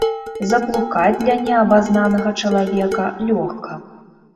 Заблукаць для неабазнанага чалавека лёгка.